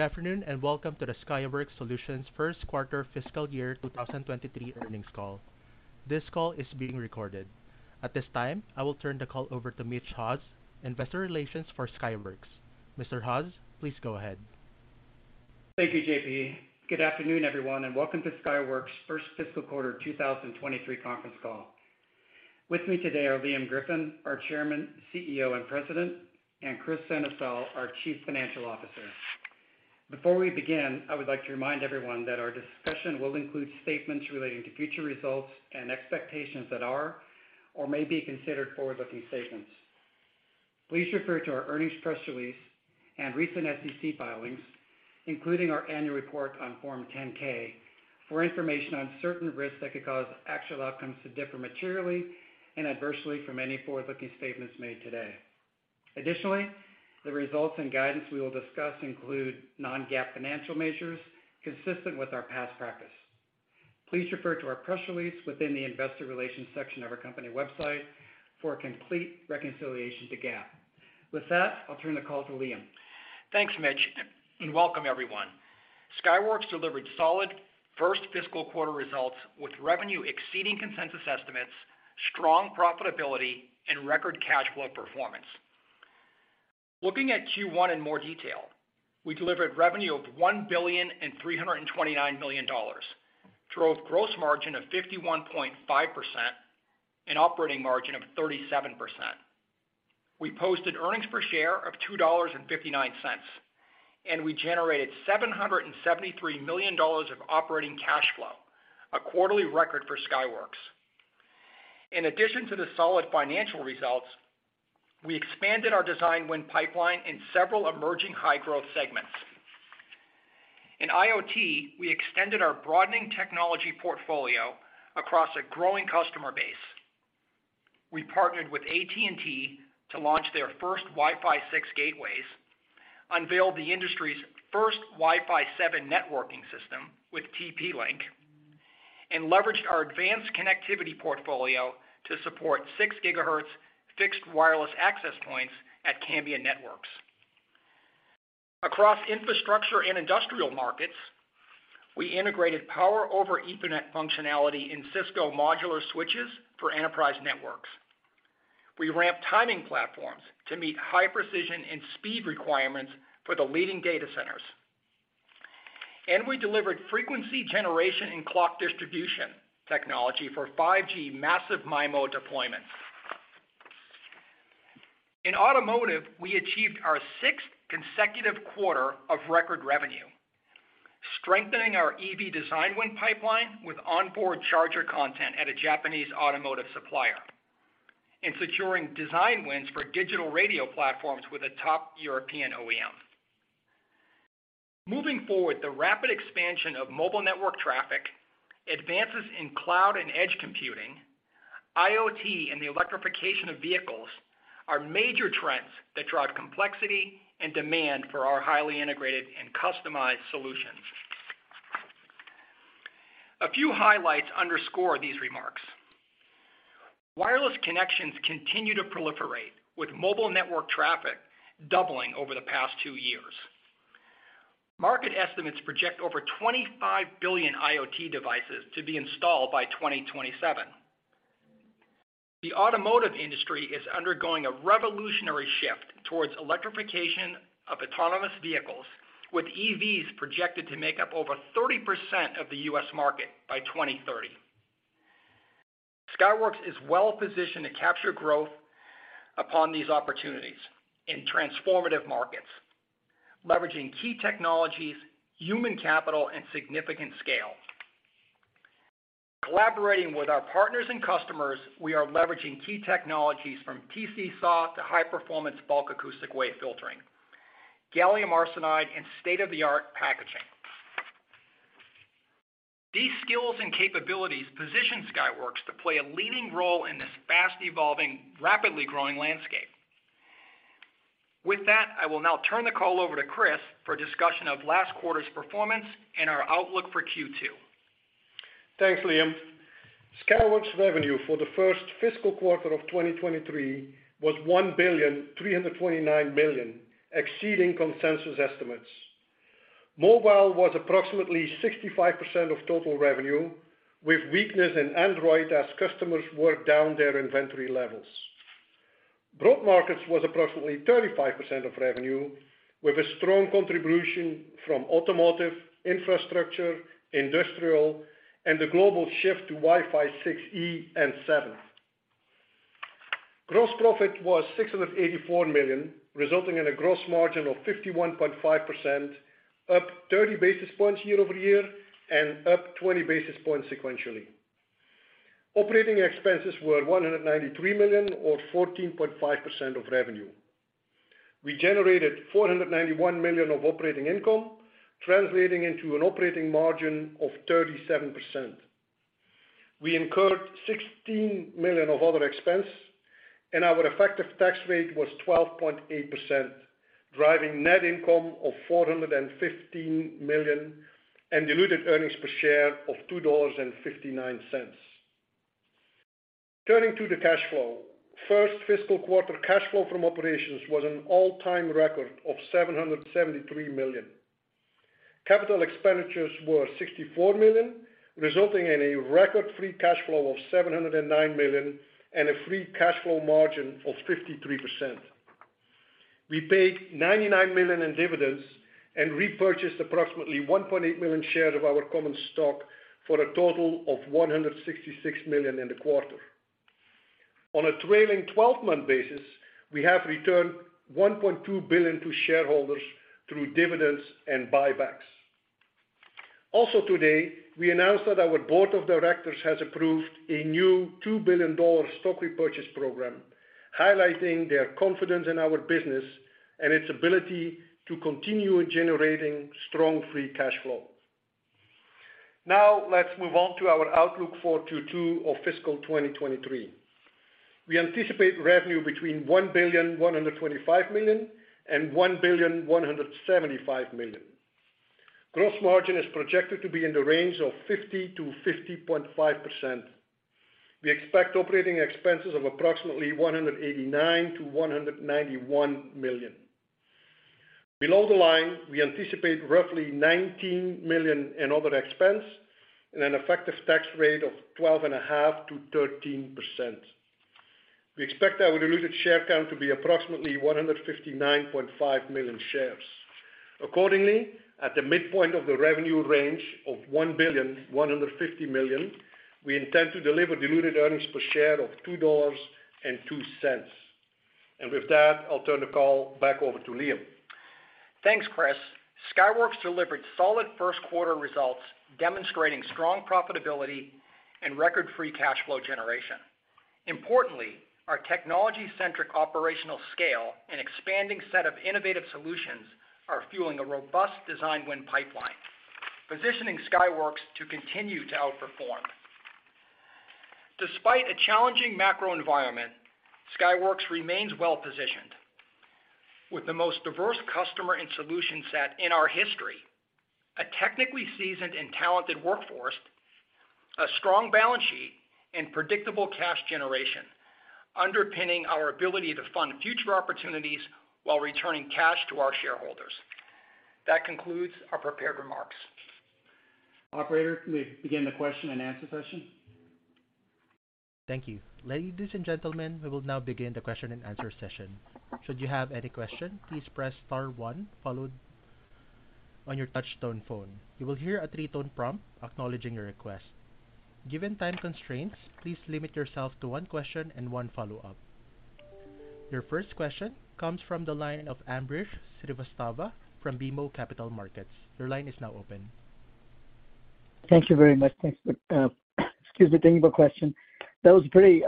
Good afternoon, welcome to the Skyworks Solutions first quarter fiscal year 2023 earnings call. This call is being recorded. At this time, I will turn the call over to Mitch Haws, investor relations for Skyworks. Mr. Haws, please go ahead. Thank you, JP. Good afternoon, everyone, welcome to Skyworks first fiscal quarter 2023 conference call. With me today are Liam Griffin, our chairman, CEO, and president, and Kris Sennesael, our chief financial officer. Before we begin, I would like to remind everyone that our discussion will include statements relating to future results and expectations that are or may be considered forward-looking statements. Please refer to our earnings press release and recent SEC filings, including our annual report on Form 10-K, for information on certain risks that could cause actual outcomes to differ materially and adversely from any forward-looking statements made today. Additionally, the results and guidance we will discuss include non-GAAP financial measures consistent with our past practice. Please refer to our press release within the investor relations section of our company website for a complete reconciliation to GAAP. With that, I'll turn the call to Liam. Thanks, Mitch. Welcome everyone. Skyworks delivered solid first fiscal quarter results with revenue exceeding consensus estimates, strong profitability, and record cash flow performance. Looking at Q1 in more detail, we delivered revenue of $1.329 billion, drove gross margin of 51.5% and operating margin of 37%. We posted earnings per share of $2.59. We generated $773 million of operating cash flow, a quarterly record for Skyworks. In addition to the solid financial results, we expanded our design win pipeline in several emerging high-growth segments. In IoT, we extended our broadening technology portfolio across a growing customer base. We partnered with AT&T to launch their first Wi-Fi 6 gateways, unveiled the industry's first Wi-Fi 7 networking system with TP-Link, and leveraged our advanced connectivity portfolio to support 6 gigahertz fixed wireless access points at Cambium Networks. Across Infrastructure & Automotive and industrial markets, we integrated Power over Ethernet functionality in Cisco modular switches for enterprise networks. We ramped timing platforms to meet high precision and speed requirements for the leading data centers. We delivered frequency generation and clock distribution technology for 5G massive MIMO deployments. In automotive, we achieved our sixth consecutive quarter of record revenue, strengthening our EV design win pipeline with onboard charger content at a Japanese automotive supplier and securing design wins for digital radio platforms with a top European OEM. Moving forward, the rapid expansion of mobile network traffic, advances in cloud and edge computing, IoT, and the electrification of vehicles are major trends that drive complexity and demand for our highly integrated and customized solutions. A few highlights underscore these remarks. Wireless connections continue to proliferate, with mobile network traffic doubling over the past two years. Market estimates project over 25 billion IoT devices to be installed by 2027. The automotive industry is undergoing a revolutionary shift towards electrification of autonomous vehicles, with EVs projected to make up over 30% of the U.S. market by 2030. Skyworks is well-positioned to capture growth upon these opportunities in transformative markets, leveraging key technologies, human capital, and significant scale. Collaborating with our partners and customers, we are leveraging key technologies from TC SAW to high-performance Bulk Acoustic Wave filtering, gallium arsenide, and state-of-the-art packaging. These skills and capabilities position Skyworks to play a leading role in this fast-evolving, rapidly growing landscape. With that, I will now turn the call over to Kris for a discussion of last quarter's performance and our outlook for Q2. Thanks, Liam. Skyworks revenue for the first fiscal quarter of 2023 was $1.329 billion, exceeding consensus estimates. Mobile was approximately 65% of total revenue, with weakness in Android as customers work down their inventory levels. Broad markets was approximately 35% of revenue, with a strong contribution from automotive, infrastructure, industrial, and the global shift to Wi-Fi 6E and 7. Gross profit was $684 million, resulting in a gross margin of 51.5%, up 30 basis points year-over-year and up 20 basis points sequentially. Operating expenses were $193 million or 14.5% of revenue. We generated $491 million of operating income, translating into an operating margin of 37%. We incurred $16 million of other expense and our effective tax rate was 12.8%, driving net income of $415 million and diluted earnings per share of $2.59. Turning to the cash flow. First fiscal quarter cash flow from operations was an all-time record of $773 million. Capital expenditures were $64 million, resulting in a record free cash flow of $709 million and a free cash flow margin of 53%. We paid $99 million in dividends and repurchased approximately 1.8 million shares of our common stock for a total of $166 million in the quarter. On a trailing twelve-month basis, we have returned $1.2 billion to shareholders through dividends and buybacks. Today, we announced that our board of directors has approved a new $2 billion stock repurchase program, highlighting their confidence in our business and its ability to continue generating strong free cash flow. Let's move on to our outlook for Q2 of fiscal 2023. We anticipate revenue between $1.125 billion and $1.175 billion. Gross margin is projected to be in the range of 50%-50.5%. We expect operating expenses of approximately $189 million-$191 million. Below the line, we anticipate roughly $19 million in other expense and an effective tax rate of 12.5%-13%. We expect our diluted share count to be approximately 159.5 million shares. Accordingly, at the midpoint of the revenue range of $1.15 billion, we intend to deliver diluted earnings per share of $2.02. With that, I'll turn the call back over to Liam. Thanks, Kris. Skyworks delivered solid first quarter results, demonstrating strong profitability and record free cash flow generation. Importantly, our technology-centric operational scale and expanding set of innovative solutions are fueling a robust design win pipeline, positioning Skyworks to continue to outperform. Despite a challenging macro environment, Skyworks remains well-positioned. With the most diverse customer and solution set in our history, a technically seasoned and talented workforce, a strong balance sheet, and predictable cash generation underpinning our ability to fund future opportunities while returning cash to our shareholders. That concludes our prepared remarks. Operator, can we begin the question and answer session? Thank you. Ladies and gentlemen, we will now begin the question-and-answer session. Should you have any question, please press star one, followed on your touchtone phone. You will hear a three-tone prompt acknowledging your request. Given time constraints, please limit yourself to one question and one follow-up. Your first question comes from the line of Ambrish Srivastava from BMO Capital Markets. Your line is now open. Thank you very much. Thanks for, excuse me, taking my question. That was a pretty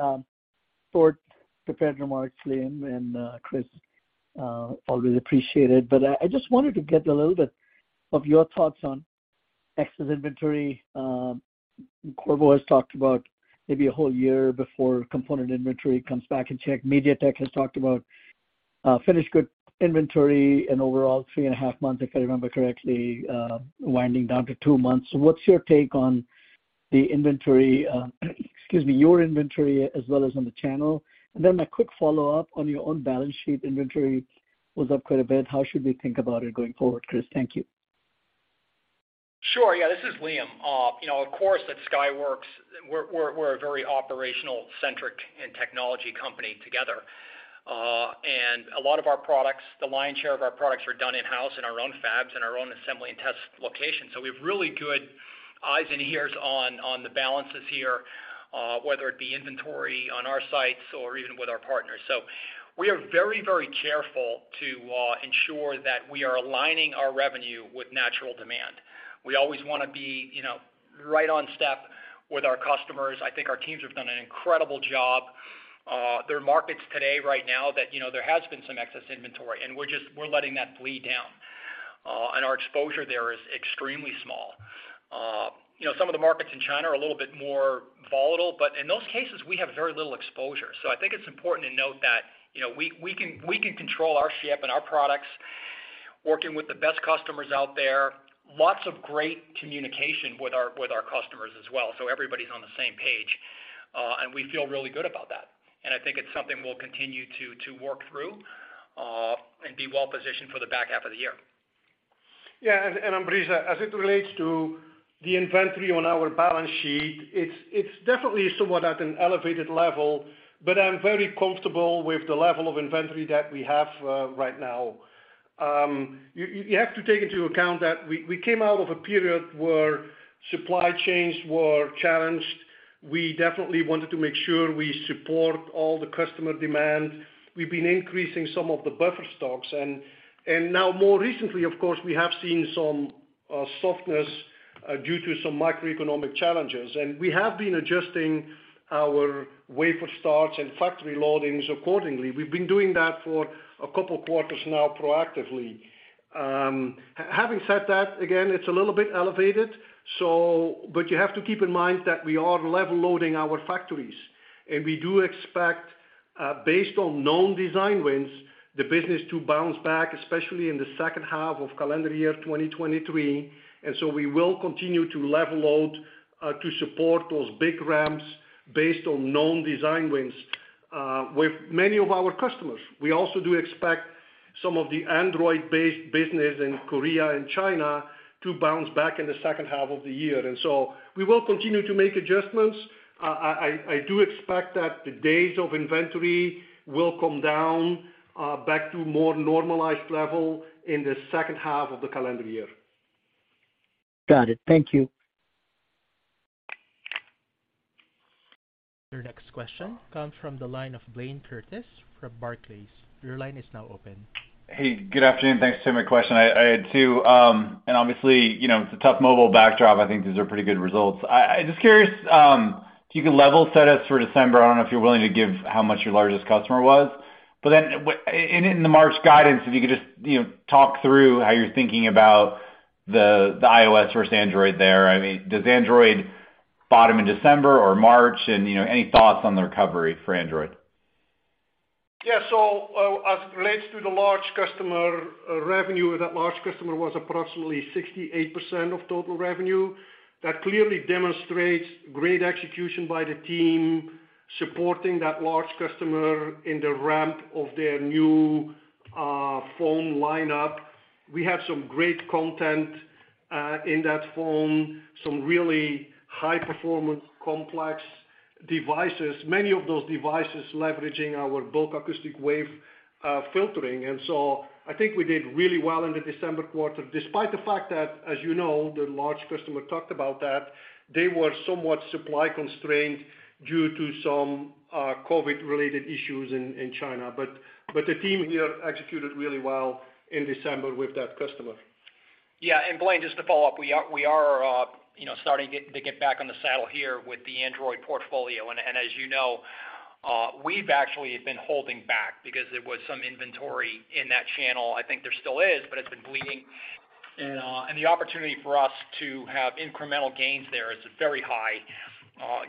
short prepared remarks, Liam and Kris, always appreciate it. I just wanted to get a little bit of your thoughts on excess inventory. Qorvo has talked about maybe a whole year before component inventory comes back in check. MediaTek has talked about finished good inventory and overall 3.5 months, if I remember correctly, winding down to 2 months. What's your take on the inventory, excuse me, your inventory as well as on the channel? A quick follow-up on your own balance sheet inventory was up quite a bit. How should we think about it going forward, Kris? Thank you. Sure. Yeah, this is Liam. You know, of course, at Skyworks, we're a very operational-centric and technology company together. A lot of our products, the lion's share of our products are done in-house in our own fabs, in our own assembly and test locations. We have really good eyes and ears on the balances here, whether it be inventory on our sites or even with our partners. We are very, very careful to ensure that we are aligning our revenue with natural demand. We always wanna be, you know, right on step with our customers. I think our teams have done an incredible job. There are markets today, right now that, you know, there has been some excess inventory, and we're letting that bleed down. Our exposure there is extremely small. You know, some of the markets in China are a little bit more volatile, but in those cases, we have very little exposure. I think it's important to note that, you know, we can control our ship and our products, working with the best customers out there. Lots of great communication with our customers as well. Everybody's on the same page, and we feel really good about that. I think it's something we'll continue to work through and be well positioned for the back half of the year. Ambrish, as it relates to the inventory on our balance sheet, it's definitely somewhat at an elevated level, but I'm very comfortable with the level of inventory that we have, right now. You have to take into account that we came out of a period where supply chains were challenged. We definitely wanted to make sure we support all the customer demand. We've been increasing some of the buffer stocks. Now more recently, of course, we have seen some softness due to some macroeconomic challenges. We have been adjusting our wafer starts and factory loadings accordingly. We've been doing that for a couple quarters now proactively. Having said that, again, it's a little bit elevated. But you have to keep in mind that we are level loading our factories, and we do expect, based on known design wins, the business to bounce back, especially in the second half of calendar year 2023. We will continue to level load to support those big ramps based on known design wins with many of our customers. We also do expect some of the Android-based business in Korea and China to bounce back in the second half of the year. We will continue to make adjustments. I do expect that the days of inventory will come down back to more normalized level in the second half of the calendar year. Got it. Thank you. Your next question comes from the line of Blayne Curtis from Barclays. Your line is now open. Hey, good afternoon. Thanks, Tim. A question I had too, obviously, you know, it's a tough mobile backdrop. I think these are pretty good results. I'm just curious, if you could level set us for December. I don't know if you're willing to give how much your largest customer was. In the March guidance, if you could just, you know, talk through how you're thinking about the iOS versus Android there. I mean, does Android bottom in December or March? You know, any thoughts on the recovery for Android? As it relates to the large customer, revenue, that large customer was approximately 68% of total revenue. That clearly demonstrates great execution by the team supporting that large customer in the ramp of their new, phone lineup. We have some great content, in that phone, some really high-performance complex devices, many of those devices leveraging our Bulk Acoustic Wave, filtering. I think we did really well in the December quarter, despite the fact that, as you know, the large customer talked about that they were somewhat supply constrained due to some, COVID-related issues in China. The team here executed really well in December with that customer. Yeah. Blayne, just to follow up, we are, you know, starting to get back on the saddle here with the Android portfolio. As you know, we've actually been holding back because there was some inventory in that channel. I think there still is, but it's been bleeding. The opportunity for us to have incremental gains there is very high,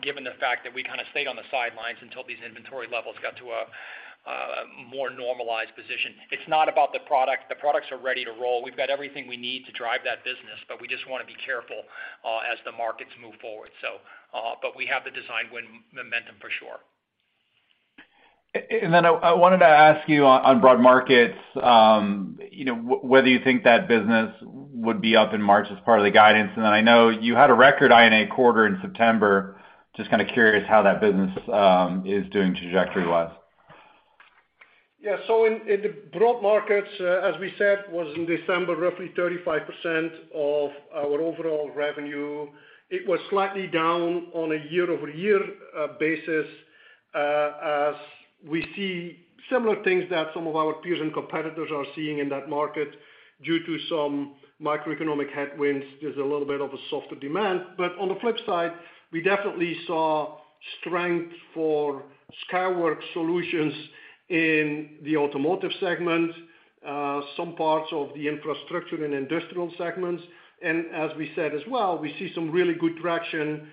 given the fact that we kinda stayed on the sidelines until these inventory levels got to a more normalized position. It's not about the product. The products are ready to roll. We've got everything we need to drive that business, but we just wanna be careful as the markets move forward. But we have the design win momentum for sure. Then I wanted to ask you on broad markets, you know, whether you think that business would be up in March as part of the guidance? Then I know you had a record INA quarter in September. Just kinda curious how that business is doing trajectory-wise. Yeah. In the broad markets, as we said, was in December, roughly 35% of our overall revenue. It was slightly down on a year-over-year basis, as we see similar things that some of our peers and competitors are seeing in that market due to some microeconomic headwinds. There's a little bit of a softer demand. On the flip side, we definitely saw strength for Skyworks Solutions in the Automotive segment, some parts of the Infrastructure & Automotive and industrial segments. As we said as well, we see some really good traction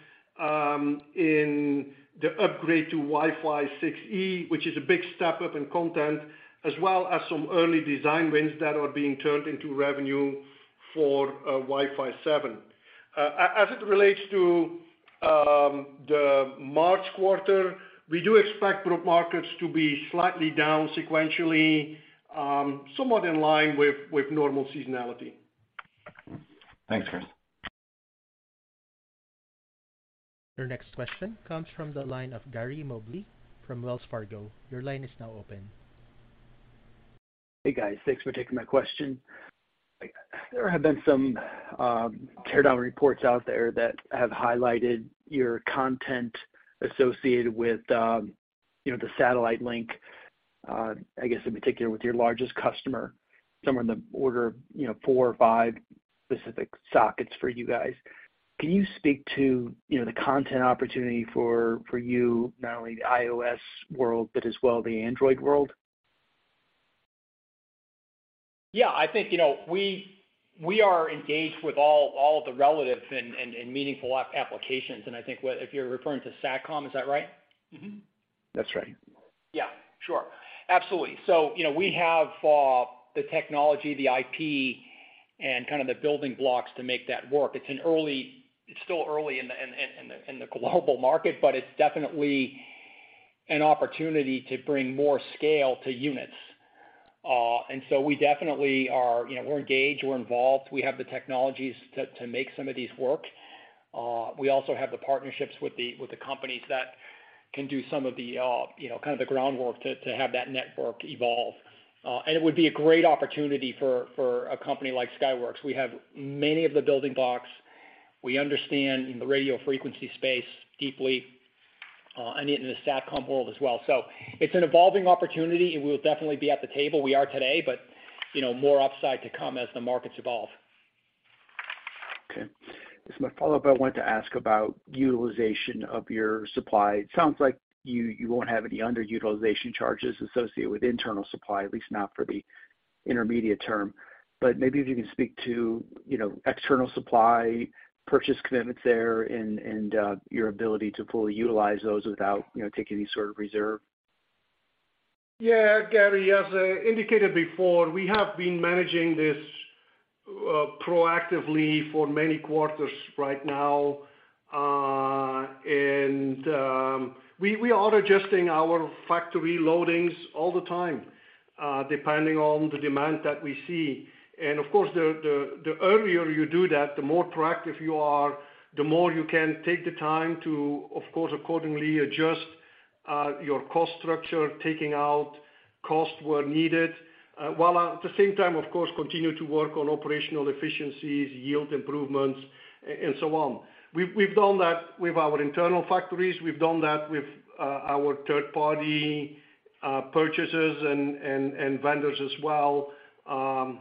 in the upgrade to Wi-Fi 6E, which is a big step up in content, as well as some early design wins that are being turned into revenue for Wi-Fi 7. As it relates to, the March quarter, we do expect broad markets to be slightly down sequentially, somewhat in line with normal seasonality. Thanks, Kris. Your next question comes from the line of Gary Mobley from Wells Fargo. Your line is now open. Hey, guys. Thanks for taking my question. There have been some, you know, teardown reports out there that have highlighted your content associated with, you know, the satellite link, I guess in particular with your largest customer, somewhere in the order of, you know, four or five specific sockets for you guys. Can you speak to, you know, the content opportunity for you, not only the iOS world, but as well the Android world? Yeah. I think, you know, we are engaged with all of the relatives and meaningful applications. I think if you're referring to Satcom, is that right? Mm-hmm. That's right. Yeah, sure. Absolutely. You know, we have the technology, the IP, and kind of the building blocks to make that work. It's still early in the global market, but it's definitely an opportunity to bring more scale to units. We definitely are, you know, we're engaged, we're involved. We have the technologies to make some of these work. We also have the partnerships with the companies that can do some of the, you know, kind of the groundwork to have that network evolve. It would be a great opportunity for a company like Skyworks. We have many of the building blocks. We understand the radio frequency space deeply, and in the Satcom world as well. It's an evolving opportunity, and we'll definitely be at the table. We are today, but, you know, more upside to come as the markets evolve. Okay. As my follow-up, I wanted to ask about utilization of your supply. It sounds like you won't have any underutilization charges associated with internal supply, at least not for the intermediate term. Maybe if you can speak to, you know, external supply purchase commitments there and your ability to fully utilize those without, you know, taking any sort of reserve. Yeah, Gary, as I indicated before, we have been managing this proactively for many quarters right now. We are adjusting our factory loadings all the time, depending on the demand that we see. Of course, the earlier you do that, the more proactive you are, the more you can take the time to, of course, accordingly adjust your cost structure, taking out costs where needed, while at the same time, of course, continue to work on operational efficiencies, yield improvements, and so on. We've done that with our internal factories. We've done that with our third party, purchasers and vendors as well,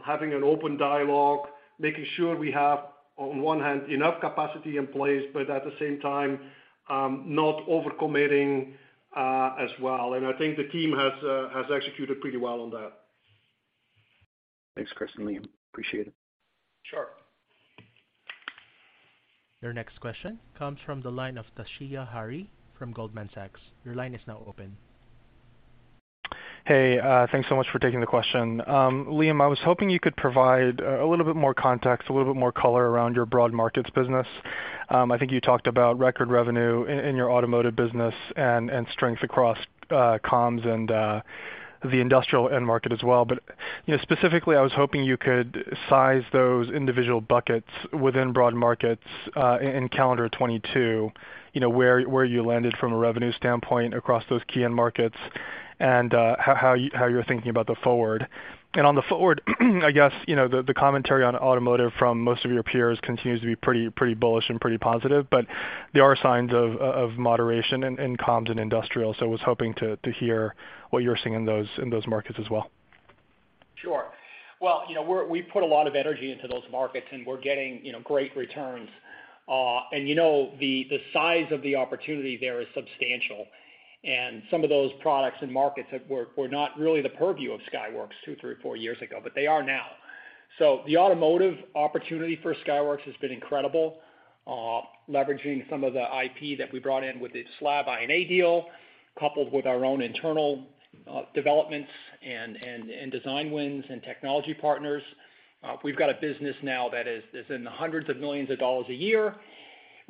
having an open dialogue, making sure we have, on one hand, enough capacity in place, but at the same time, not overcommitting as well. I think the team has executed pretty well on that. Thanks, Kris and Liam. Appreciate it. Sure. Your next question comes from the line of Toshiya Hari from Goldman Sachs. Your line is now open. Hey, thanks so much for taking the question. Liam, I was hoping you could provide a little bit more context, a little bit more color around your Broad Markets business. I think you talked about record revenue in your Automotive business and strength across comms and the Industrial end market as well. You know, specifically, I was hoping you could size those individual buckets within Broad Markets in calendar 2022, you know, where you landed from a revenue standpoint across those key end markets, and how you're thinking about the forward. On the forward, I guess, you know, the commentary on Automotive from most of your peers continues to be pretty bullish and pretty positive, but there are signs of moderation in comms and Industrial. I was hoping to hear what you're seeing in those markets as well. Sure. Well, you know, we put a lot of energy into those markets, and we're getting, you know, great returns. You know, the size of the opportunity there is substantial. Some of those products and markets that were not really the purview of Skyworks two, three, four years ago, but they are now. The automotive opportunity for Skyworks has been incredible, leveraging some of the IP that we brought in with the SLAB I&A deal, coupled with our own internal developments and design wins and technology partners. We've got a business now that is in the hundreds of millions of dollars a year,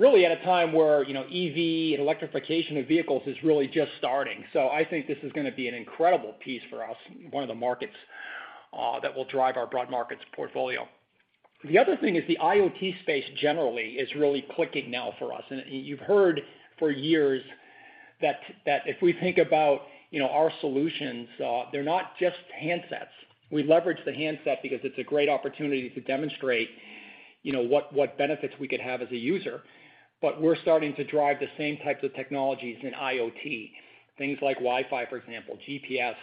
really at a time where, you know, EV and electrification of vehicles is really just starting. I think this is gonna be an incredible piece for us, one of the markets that will drive our broad markets portfolio. The other thing is the IoT space generally is really clicking now for us. Y-you've heard for years that if we think about, you know, our solutions, they're not just handsets. We leverage the handset because it's a great opportunity to demonstrate, you know, what benefits we could have as a user. We're starting to drive the same types of technologies in IoT, things like Wi-Fi, for example, GPS,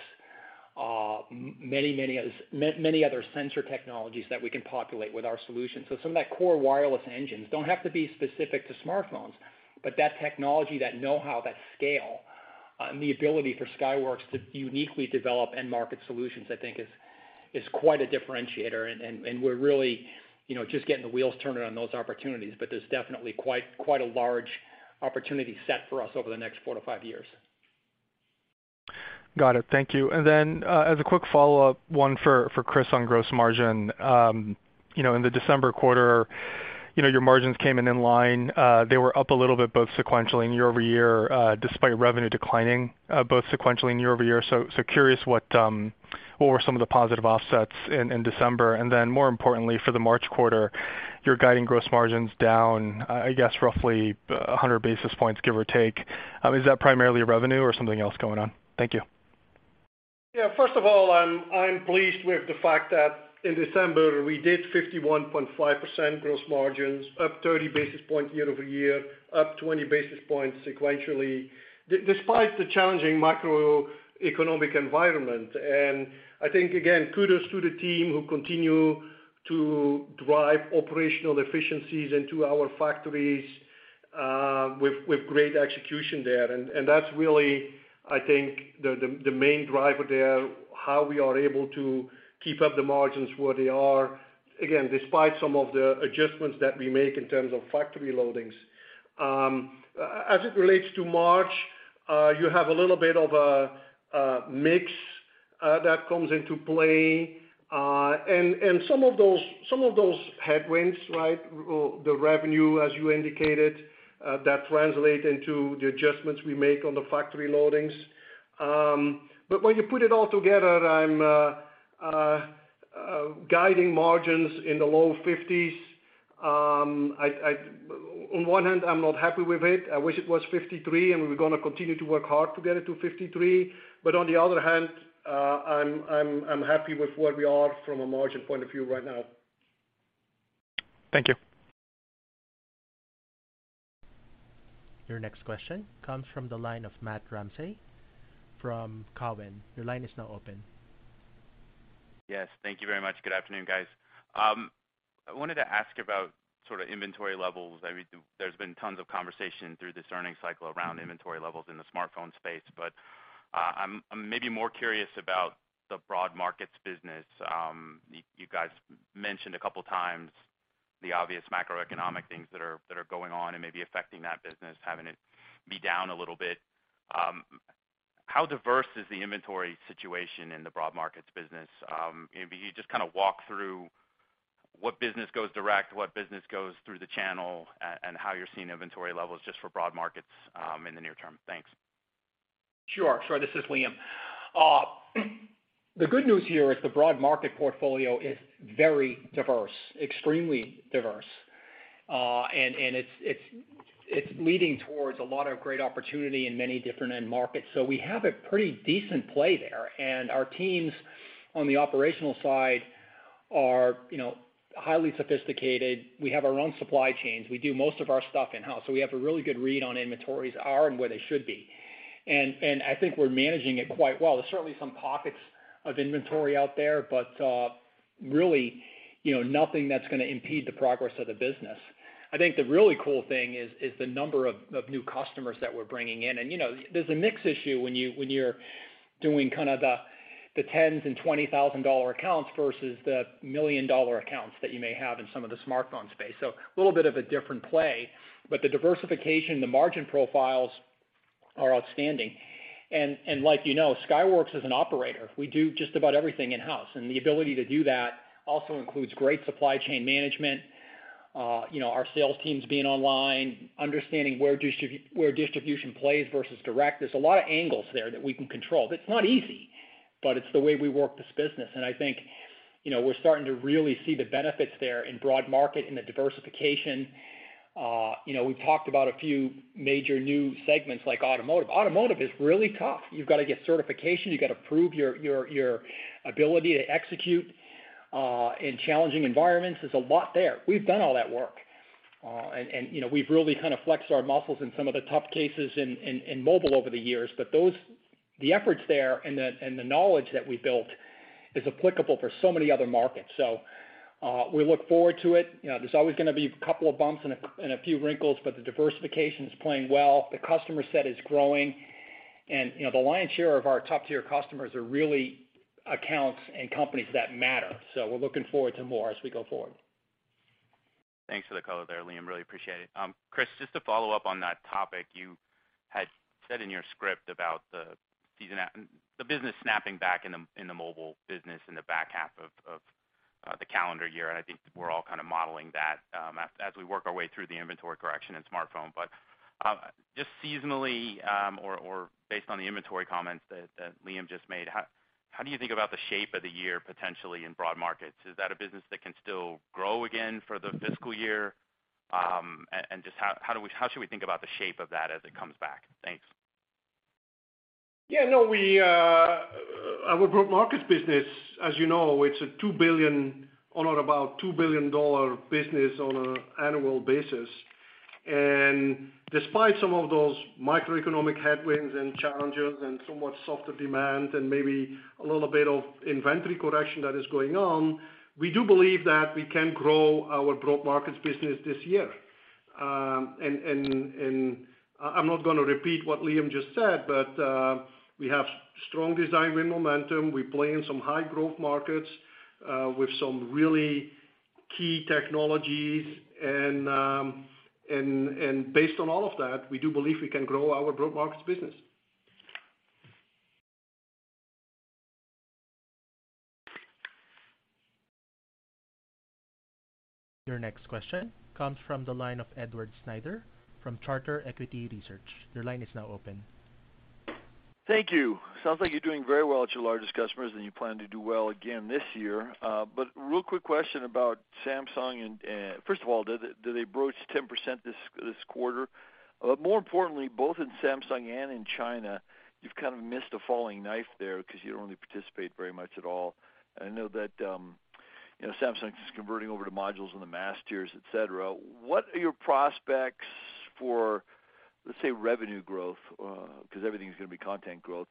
many, many other sensor technologies that we can populate with our solutions. Some of that core wireless engines don't have to be specific to smartphones, but that technology, that know-how, that scale, the ability for Skyworks to uniquely develop end market solutions, I think is quite a differentiator. We're really, you know, just getting the wheels turned on those opportunities. There's definitely quite a large opportunity set for us over the next 4 to 5 years. Got it. Thank you. Then, as a quick follow-up, one for Kris on gross margin. You know, in the December quarter, you know, your margins came in in line. They were up a little bit both sequentially and year-over-year, despite revenue declining, both sequentially and year-over-year. Curious what were some of the positive offsets in December? Then more importantly, for the March quarter, you're guiding gross margins down, I guess roughly 100 basis points, give or take. Is that primarily revenue or something else going on? Thank you. Yeah. First of all, I'm pleased with the fact that in December, we did 51.5% gross margins, up 30 basis points year-over-year, up 20 basis points sequentially, despite the challenging macroeconomic environment. I think, again, kudos to the team who continue to drive operational efficiencies into our factories, with great execution there. That's really, I think, the main driver there, how we are able to keep up the margins where they are, again, despite some of the adjustments that we make in terms of factory loadings. As it relates to March, you have a little bit of a mix that comes into play, and some of those headwinds, right? The revenue, as you indicated, that translate into the adjustments we make on the factory loadings. When you put it all together, I'm guiding margins in the low 50s%. On one hand, I'm not happy with it. I wish it was 53%, and we're gonna continue to work hard to get it to 53%. On the other hand, I'm happy with where we are from a margin point of view right now. Thank you. Your next question comes from the line of Matt Ramsay from Cowen. Your line is now open. Yes. Thank you very much. Good afternoon, guys. I wanted to ask about sort of inventory levels. I mean, there's been tons of conversation through this earnings cycle around inventory levels in the smartphone space, I'm maybe more curious about the broad markets business. You guys mentioned a couple of times the obvious macroeconomic things that are going on and maybe affecting that business, having it be down a little bit. How diverse is the inventory situation in the broad markets business? Maybe you just kind of walk through what business goes direct, what business goes through the channel, and how you're seeing inventory levels just for broad markets in the near term. Thanks. Sure. Sure. This is Liam. The good news here is the broad market portfolio is very diverse, extremely diverse. It's leading towards a lot of great opportunity in many different end markets. We have a pretty decent play there, and our teams on the operational side are, you know, highly sophisticated. We have our own supply chains. We do most of our stuff in-house, so we have a really good read on inventories are and where they should be. I think we're managing it quite well. There's certainly some pockets of inventory out there, but really, you know, nothing that's gonna impede the progress of the business. I think the really cool thing is the number of new customers that we're bringing in. You know, there's a mix issue when you, when you're doing kind of the tens and $20,000 accounts versus the $1 million accounts that you may have in some of the smartphone space. A little bit of a different play, but the diversification, the margin profiles are outstanding. Like you know, Skyworks is an operator. We do just about everything in-house, and the ability to do that also includes great supply chain management, you know, our sales teams being online, understanding where distribution plays versus direct. There's a lot of angles there that we can control. It's not easy, but it's the way we work this business. I think, you know, we're starting to really see the benefits there in broad market in the diversification. You know, we've talked about a few major new segments like automotive. Automotive is really tough. You've got to get certification. You've got to prove your ability to execute in challenging environments. There's a lot there. We've done all that work. You know, we've really kind of flexed our muscles in some of the tough cases in mobile over the years. Those, the efforts there and the knowledge that we built is applicable for so many other markets. We look forward to it. You know, there's always gonna be a couple of bumps and a few wrinkles, but the diversification is playing well. The customer set is growing. You know, the lion's share of our top-tier customers are really accounts and companies that matter. We're looking forward to more as we go forward. Thanks for the color there, Liam. Really appreciate it. Kris, just to follow up on that topic, you had said in your script about the business snapping back in the mobile business in the back half of the calendar year, and I think we're all kind of modeling that, as we work our way through the inventory correction in smartphone. Just seasonally, or based on the inventory comments that Liam just made, how do you think about the shape of the year potentially in broad markets? Is that a business that can still grow again for the fiscal year? Just how do we, how should we think about the shape of that as it comes back? Thanks. Yeah, no. We, our broad markets business, as you know, it's a $2 billion, on or about $2 billion business on an annual basis. Despite some of those macroeconomic headwinds and challenges and somewhat softer demand and maybe a little bit of inventory correction that is going on, we do believe that we can grow our broad markets business this year. I'm not gonna repeat what Liam just said, but we have strong design win momentum. We play in some high growth markets, with some really key technologies and based on all of that, we do believe we can grow our broad markets business. Your next question comes from the line of Edward Snyder from Charter Equity Research. Your line is now open. Thank you. Sounds like you're doing very well at your largest customers and you plan to do well again this year. Real quick question about Samsung and, first of all, did they broach 10% this quarter? More importantly, both in Samsung and in China, you've kind of missed a falling knife there because you don't really participate very much at all. I know that, you know, Samsung is converting over to modules in the mass tiers, et cetera. What are your prospects for, let's say, revenue growth, because everything is going to be content growth,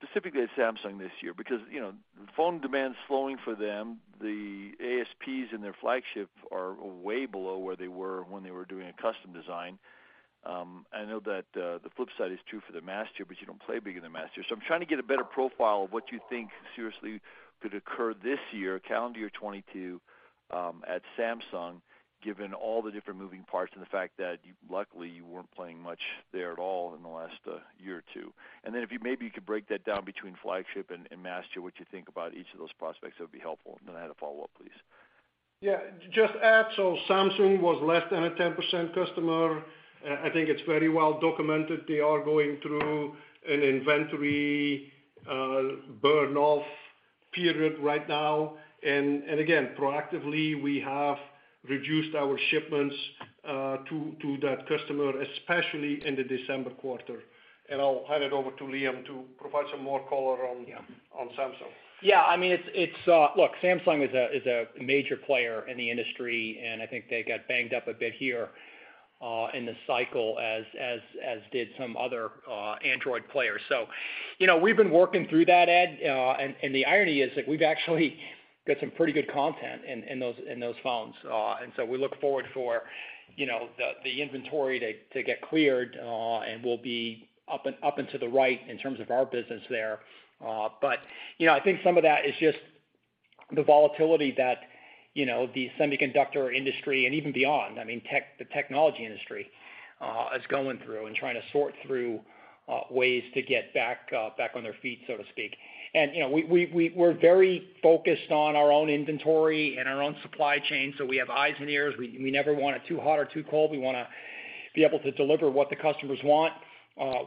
specifically at Samsung this year? Because, you know, phone demand is slowing for them. The ASPs in their flagship are way below where they were when they were doing a custom design. I know that the flip side is true for the mass tier, but you don't play big in the mass tier. I'm trying to get a better profile of what you think seriously could occur this year, calendar year 2022, at Samsung, given all the different moving parts and the fact that luckily you weren't playing much there at all in the last year or two. If you maybe could break that down between flagship and mass tier, what you think about each of those prospects, that would be helpful. I had a follow-up, please. Just add, Samsung was less than a 10% customer. I think it's very well documented. They are going through an inventory burn-off period right now. Again, proactively, we have reduced our shipments to that customer, especially in the December quarter. I'll hand it over to Liam to provide some more color on- Yeah. On Samsung. I mean, it's, look, Samsung is a major player in the industry, and I think they got banged up a bit here. In the cycle as did some other Android players. You know, we've been working through that, Ed, and the irony is that we've actually got some pretty good content in those phones. We look forward for, you know, the inventory to get cleared, and we'll be up and to the right in terms of our business there. You know, I think some of that is just the volatility that, you know, the semiconductor industry and even beyond, I mean, the technology industry is going through and trying to sort through ways to get back on their feet, so to speak. you know, we're very focused on our own inventory and our own supply chain, so we have eyes and ears. We never want it too hot or too cold. We wanna be able to deliver what the customers want.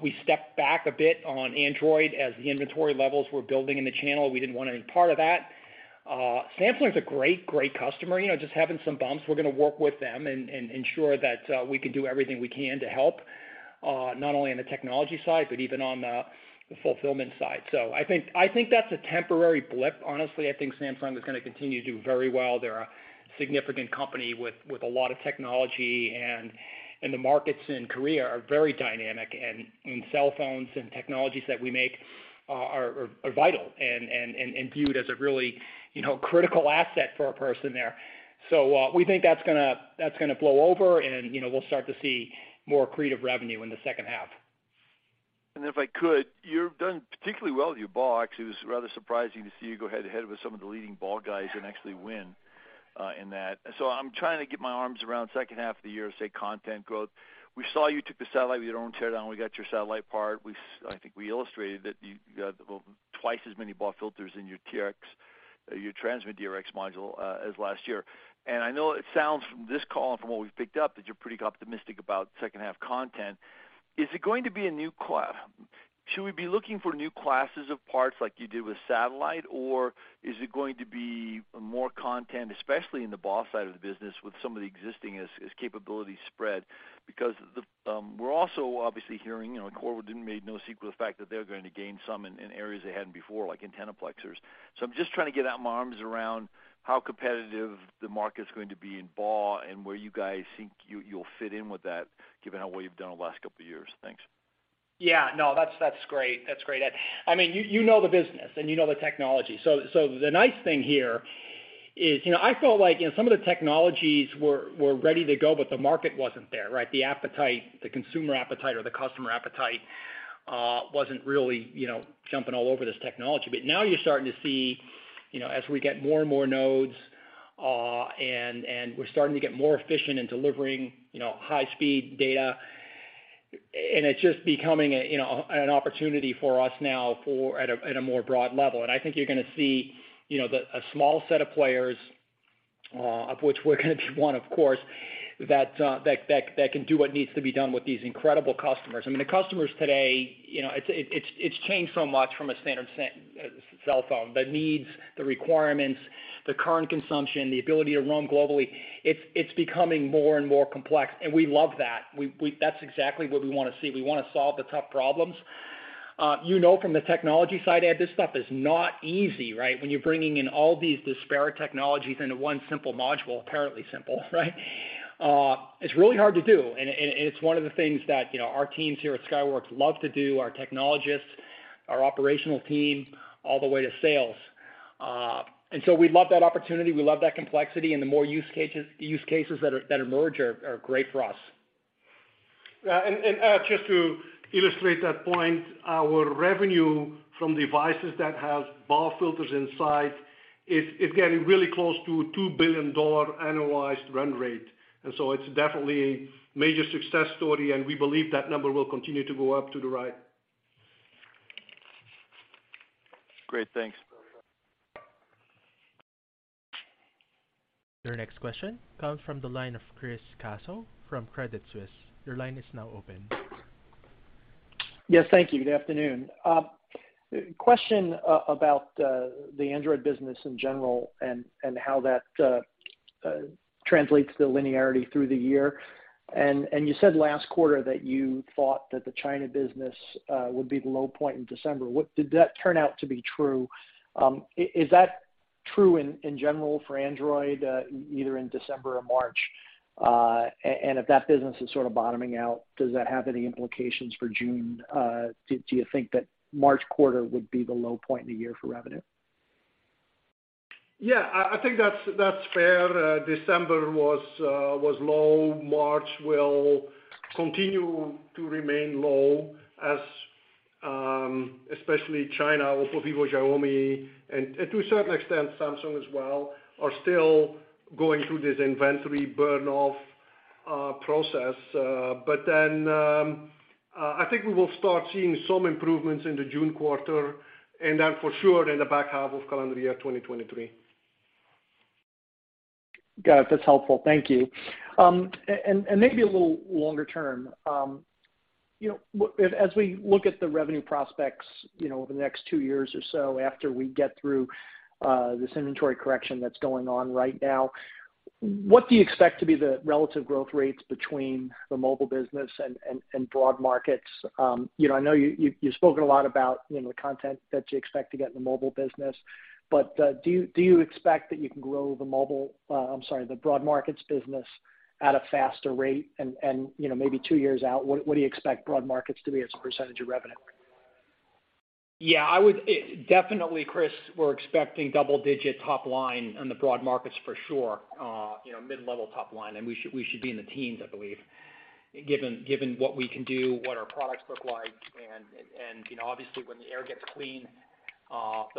We stepped back a bit on Android as the inventory levels were building in the channel. We didn't want any part of that. Samsung's a great customer, you know, just having some bumps. We're gonna work with them and ensure that we can do everything we can to help, not only on the technology side, but even on the fulfillment side. I think that's a temporary blip. Honestly, I think Samsung is gonna continue to do very well. They're a significant company with a lot of technology and the markets in Korea are very dynamic, and cell phones and technologies that we make are vital and viewed as a really, you know, critical asset for a person there. We think that's gonna blow over and, you know, we'll start to see more accretive revenue in the second half. If I could, you've done particularly well with your BAW. Actually, it was rather surprising to see you go head to head with some of the leading BAW guys and actually win in that. I'm trying to get my arms around second half of the year, say, content growth. We saw you took the satellite with your own teardown. We got your satellite part. I think we illustrated that you got, well, twice as many BAW filters in your TRX, your transmit TRX module as last year. I know it sounds from this call and from what we've picked up, that you're pretty optimistic about second half content. Should we be looking for new classes of parts like you did with satellite, or is it going to be more content, especially in the BAW side of the business with some of the existing as capability spread? We're also obviously hearing, you know, Qualcomm made no secret of the fact that they're going to gain some in areas they hadn't before, like antennaplexers. I'm just trying to get, wrap my arms around how competitive the market's going to be in BAW and where you guys think you'll fit in with that, given how well you've done the last couple of years. Thanks. Yeah, no, that's great. That's great, Ed. I mean, you know the business and you know the technology. The nice thing here is, you know, I felt like, you know, some of the technologies were ready to go, but the market wasn't there, right? The appetite, the consumer appetite or the customer appetite wasn't really, you know, jumping all over this technology. Now you're starting to see, you know, as we get more and more nodes, and we're starting to get more efficient in delivering, you know, high-speed data, and it's just becoming a, an opportunity for us now for at a more broad level. I think you're gonna see, you know, a small set of players, of which we're gonna be one, of course, that can do what needs to be done with these incredible customers. The customers today, you know, it's changed so much from a standard set cell phone. The needs, the requirements, the current consumption, the ability to roam globally, it's becoming more and more complex, and we love that. That's exactly what we wanna see. We wanna solve the tough problems. You know, from the technology side, Ed, this stuff is not easy, right? When you're bringing in all these disparate technologies into one simple module, apparently simple, right? It's really hard to do. It's one of the things that, you know, our teams here at Skyworks love to do, our technologists, our operational team, all the way to sales. We love that opportunity. We love that complexity, and the more use cases that are, that emerge are great for us. Yeah. And just to illustrate that point, our revenue from devices that have BAW filters inside is getting really close to a $2 billion annualized run rate. It's definitely a major success story, and we believe that number will continue to go up to the right. Great. Thanks. Your next question comes from the line of Chris Caso from Credit Suisse. Your line is now open. Yes, thank you. Good afternoon. Question about the Android business in general and how that translates to the linearity through the year. You said last quarter that you thought that the China business would be the low point in December. Did that turn out to be true? Is that true in general for Android, either in December or March? If that business is sort of bottoming out, does that have any implications for June? Do you think that March quarter would be the low point in the year for revenue? Yeah. I think that's fair. December was low. March will continue to remain low as especially China, Oppo, Vivo, Xiaomi, and to a certain extent, Samsung as well, are still going through this inventory burn-off process. I think we will start seeing some improvements in the June quarter, and then for sure in the back half of calendar year 2023. Got it. That's helpful. Thank you. Maybe a little longer term. You know, as we look at the revenue prospects, you know, over the next 2 years or so after we get through this inventory correction that's going on right now, what do you expect to be the relative growth rates between the mobile business and broad markets? You know, I know you've spoken a lot about, you know, the content that you expect to get in the mobile business. Do you expect that you can grow the broad markets business at a faster rate? You know, maybe 2 years out, what do you expect broad markets to be as a % of revenue? I would definitely, Chris, we're expecting double-digit top-line on the broad markets for sure, you know, mid-level top-line, and we should be in the teens, I believe. Given what we can do, what our products look like, and, you know, obviously when the air gets clean,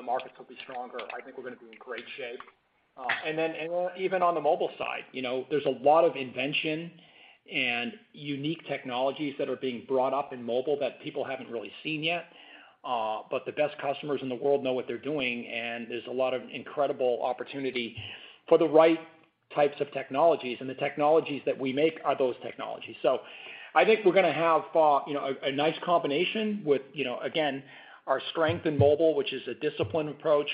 the markets will be stronger. I think we're gonna be in great shape. Even on the mobile side, you know, there's a lot of invention and unique technologies that are being brought up in mobile that people haven't really seen yet. The best customers in the world know what they're doing, and there's a lot of incredible opportunity for the right types of technologies, and the technologies that we make are those technologies. I think we're gonna have, you know, a nice combination with, you know, again, our strength in mobile, which is a disciplined approach.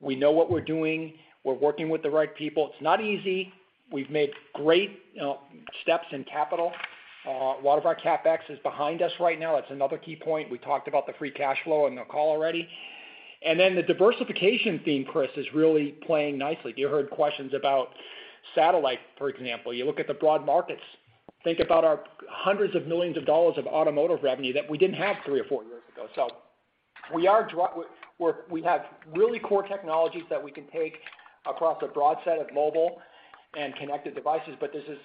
We know what we're doing. We're working with the right people. It's not easy. We've made great, you know, steps in capital. A lot of our CapEx is behind us right now. That's another key point. We talked about the free cash flow on the call already. The diversification theme, Kris, is really playing nicely. You heard questions about satellite, for example. You look at the broad markets, think about our hundreds of millions of dollars of automotive revenue that we didn't have three or four years ago. We have really core technologies that we can take across a broad set of mobile and connected devices. This is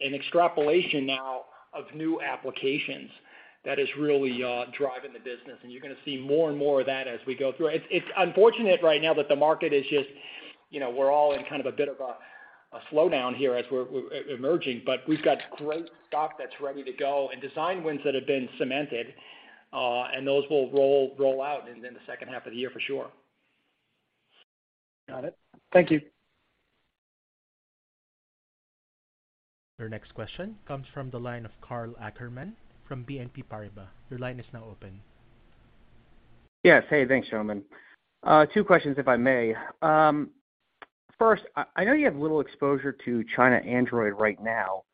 an extrapolation now of new applications that is really driving the business. You're gonna see more and more of that as we go through. It's, it's unfortunate right now that the market is just, you know, we're all in kind of a bit of a slowdown here as we're emerging. We've got great stock that's ready to go and design wins that have been cemented, and those will roll out in the second half of the year for sure. Got it. Thank you. Our next question comes from the line of Karl Ackerman from BNP Paribas. Your line is now open. Yes. Hey, thanks, Sravan. 2 questions if I may. First, I know you have little exposure to China Android right now,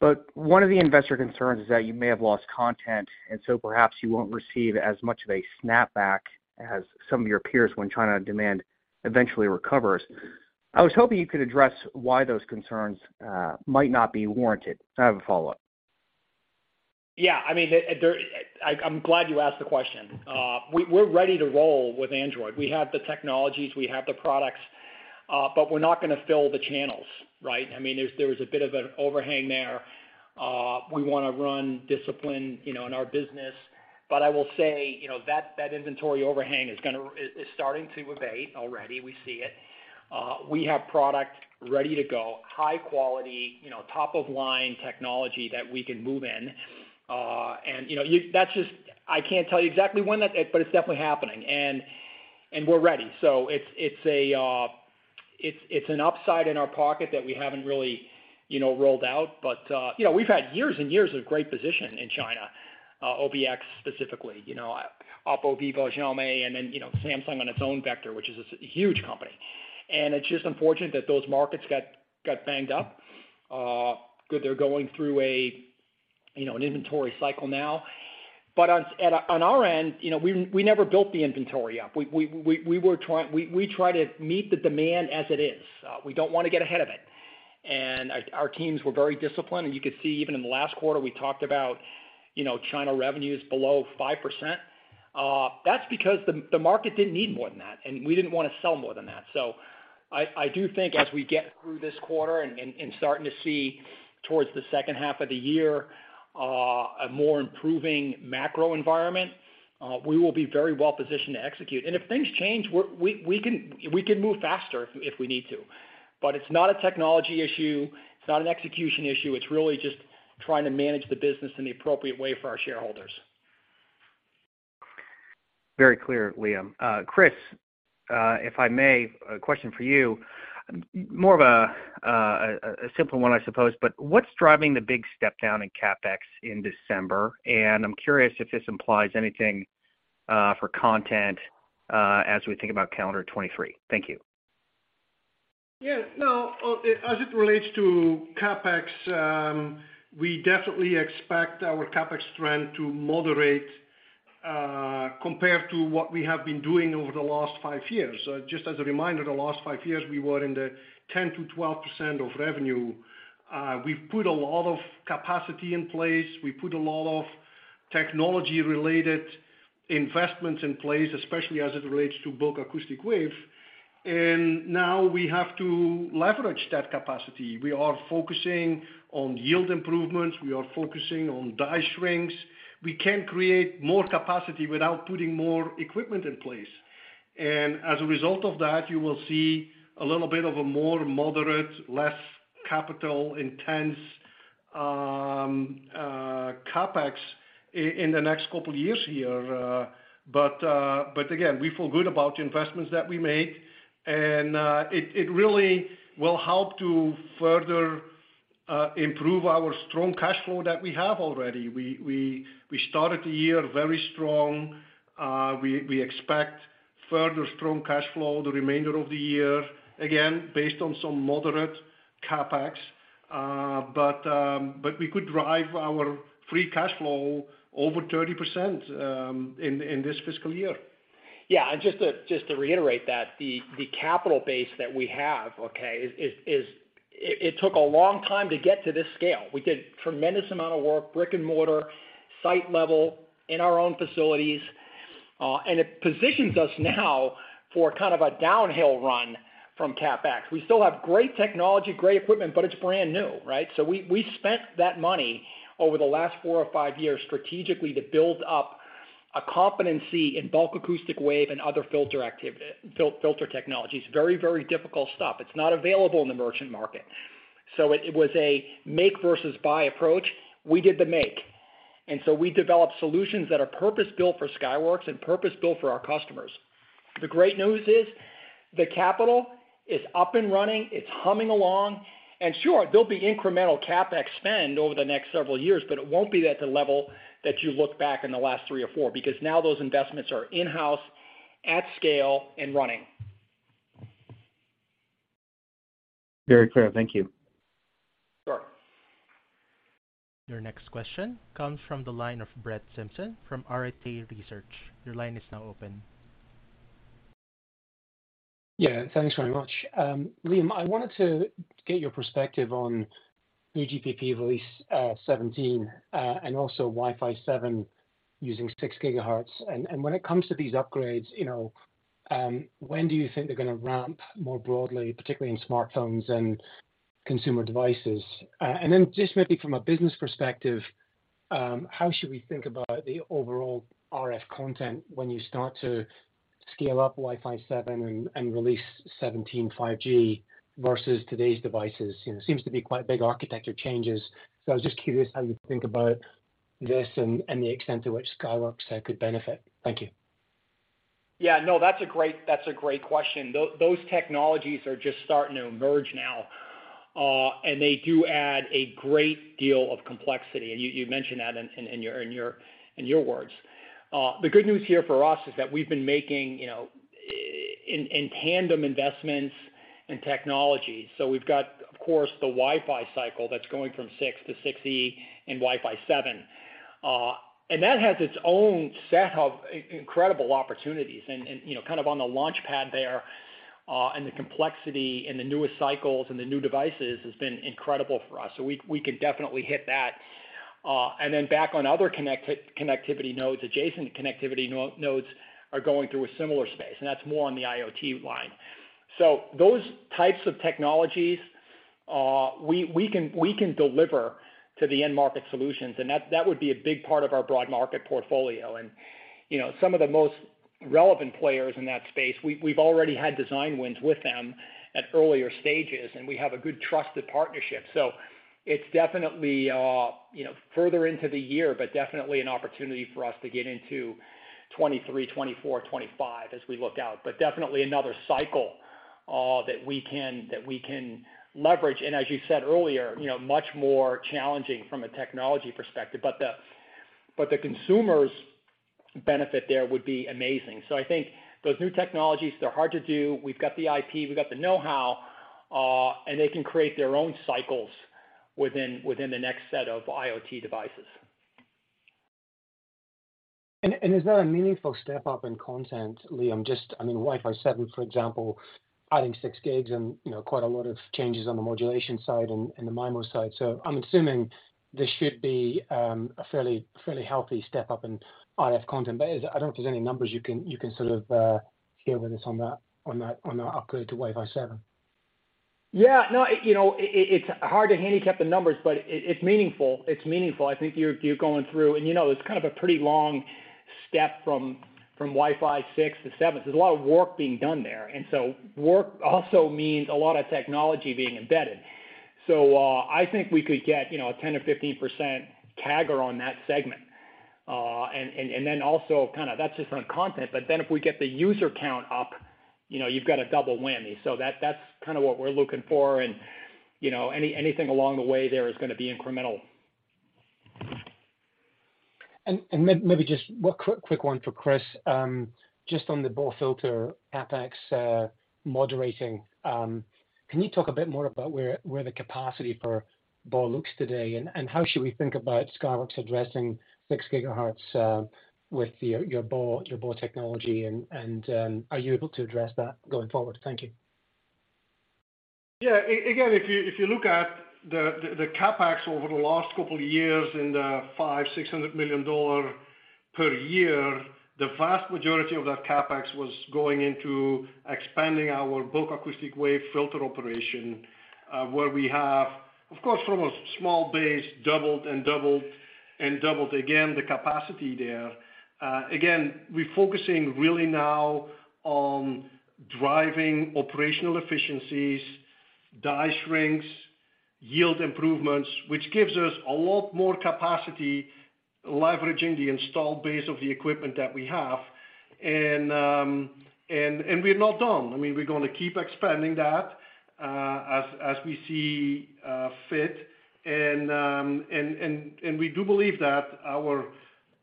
but one of the investor concerns is that you may have lost content, and so perhaps you won't receive as much of a snapback as some of your peers when China demand eventually recovers. I was hoping you could address why those concerns might not be warranted. I have a follow-up. Yeah. I mean, I'm glad you asked the question. We're ready to roll with Android. We have the technologies, we have the products, but we're not gonna fill the channels, right? I mean, there was a bit of an overhang there. We wanna run discipline, you know, in our business. I will say, you know, that inventory overhang is starting to abate already. We see it. We have product ready to go, high quality, you know, top of line technology that we can move in. You know, I can't tell you exactly when that, but it's definitely happening, and we're ready. It's an upside in our pocket that we haven't really, you know, rolled out. You know, we've had years and years of great position in China, OVX specifically. You know, Oppo, Vivo, Xiaomi, and then, you know, Samsung on its own vector, which is a huge company. It's just unfortunate that those markets got banged up. That they're going through a, you know, an inventory cycle now. On our end, you know, we never built the inventory up. We try to meet the demand as it is. We don't wanna get ahead of it. Our teams were very disciplined, and you could see even in the last quarter, we talked about, you know, China revenues below 5%. That's because the market didn't need more than that, and we didn't wanna sell more than that. I do think as we get through this quarter and starting to see towards the second half of the year, a more improving macro environment, we will be very well positioned to execute. If things change, we're, we can move faster if we need to. It's not a technology issue, it's not an execution issue. It's really just trying to manage the business in the appropriate way for our shareholders. Very clear, Liam. Kris, if I may, a question for you. More of a simple one, I suppose, but what's driving the big step down in CapEx in December? I'm curious if this implies anything for content, as we think about calendar 2023. Thank you. Yeah. No. As it relates to CapEx, we definitely expect our CapEx trend to moderate, compared to what we have been doing over the last five years. Just as a reminder, the last five years we were in the 10%-12% of revenue. We've put a lot of capacity in place. We put a lot of technology related investments in place, especially as it relates to Bulk Acoustic Wave. Now we have to leverage that capacity. We are focusing on yield improvements. We are focusing on die shrinks. We can create more capacity without putting more equipment in place. As a result of that, you will see a little bit of a more moderate, less capital intense, CapEx in the next couple of years here. Again, we feel good about the investments that we made, and it really will help to further improve our strong cash flow that we have already. We started the year very strong. We expect further strong cash flow the remainder of the year, again, based on some moderate CapEx. We could drive our free cash flow over 30% in this fiscal year. Yeah. Just to, just to reiterate that the capital base that we have, okay, it took a long time to get to this scale. We did tremendous amount of work, brick-and-mortar, site level, in our own facilities, and it positions us now for kind of a downhill run from CapEx. We still have great technology, great equipment, but it's brand new, right? We, we spent that money over the last four or five years strategically to build up a competency in Bulk Acoustic Wave and other filter technologies. Very, very difficult stuff. It's not available in the merchant market. It, it was a make versus buy approach. We did the make. We developed solutions that are purpose-built for Skyworks and purpose-built for our customers. The great news is the capital is up and running, it's humming along. Sure, there'll be incremental CapEx spend over the next several years, but it won't be at the level that you look back in the last three or four, because now those investments are in-house, at scale, and running. Very clear. Thank you. Sure. Your next question comes from the line of Brett Simpson from Arete Research. Your line is now open. Yeah. Thanks very much. Liam, I wanted to get your perspective on new 3GPP Release 17 and also Wi-Fi 7 using 6 gigahertz. When it comes to these upgrades, you know, when do you think they're gonna ramp more broadly, particularly in smartphones and consumer devices? Then just maybe from a business perspective, how should we think about the overall RF content when you start to scale up Wi-Fi 7 and Release 17 5G versus today's devices? You know, it seems to be quite big architecture changes. I was just curious how you think about this and the extent to which Skyworks could benefit. Thank you. That's a great question. Those technologies are just starting to emerge now, they do add a great deal of complexity. You mentioned that in your words. The good news here for us is that we've been making, you know, in tandem investments in technology. We've got, of course, the Wi-Fi cycle that's going from 6 to 6E and Wi-Fi 7. That has its own set of incredible opportunities and, you know, kind of on the launchpad there, the complexity and the newest cycles and the new devices has been incredible for us. We can definitely hit that. Then back on other connectivity nodes, adjacent connectivity nodes are going through a similar space, and that's more on the IoT line. Those types of technologies, we can deliver to the end market solutions, and that would be a big part of our broad market portfolio. You know, some of the most relevant players in that space, we've already had design wins with them at earlier stages, and we have a good trusted partnership. It's definitely, you know, further into the year, but definitely an opportunity for us to get into 2023, 2024, 2025 as we look out. Definitely another cycle that we can leverage. As you said earlier, you know, much more challenging from a technology perspective, but the consumer's benefit there would be amazing. I think those new technologies, they're hard to do. We've got the IP, we've got the know-how, and they can create their own cycles within the next set of IoT devices. Is that a meaningful step up in content, Liam? Just, I mean, Wi-Fi 7, for example, adding 6 GHz and, you know, quite a lot of changes on the modulation side and the MIMO side. I'm assuming this should be a fairly healthy step up in RF content. I don't know if there's any numbers you can sort of share with us on that upgrade to Wi-Fi 7? Yeah, no, you know, it's hard to handicap the numbers, but it's meaningful. It's meaningful. I think you're going through. You know, it's kind of a pretty long step from Wi-Fi 6 to 7. There's a lot of work being done there. Work also means a lot of technology being embedded. I think we could get, you know, a 10%-15% CAGR on that segment. And then also kind of that's just on content, if we get the user count up, you know, you've got a double whammy. That's kind of what we're looking for and, you know, anything along the way there is gonna be incremental. Maybe just one quick one for Kris, just on the BAW filter CapEx, moderating. Can you talk a bit more about where the capacity for BAW looks today? How should we think about Skyworks addressing 6 gigahertz, with your BAW technology? Are you able to address that going forward? Thank you. Yeah. Again, if you look at the CapEx over the last couple of years in the $500 million-$600 million per year, the vast majority of that CapEx was going into expanding our Bulk Acoustic Wave filter operation, where we have, of course from a small base, doubled and doubled and doubled again the capacity there. Again, we're focusing really now on driving operational efficiencies, die shrinks, yield improvements, which gives us a lot more capacity leveraging the installed base of the equipment that we have. I mean, we're not done. We're gonna keep expanding that as we see fit. We do believe that our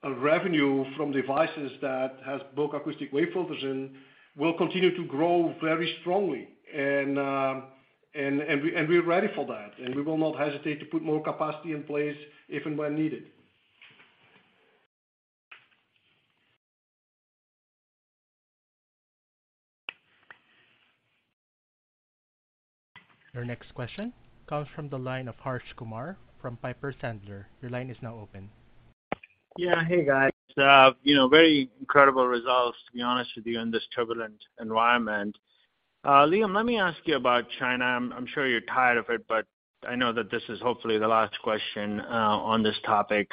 revenue from devices that has Bulk Acoustic Wave filters in will continue to grow very strongly. We're ready for that, and we will not hesitate to put more capacity in place if and when needed. Your next question comes from the line of Harsh Kumar from Piper Sandler. Your line is now open. Yeah. Hey, guys. You know, very incredible results, to be honest with you, in this turbulent environment. Liam, let me ask you about China. I'm sure you're tired of it, but I know that this is hopefully the last question on this topic.